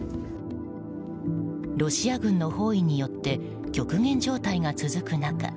ロシア軍の包囲によって極限状態が続く中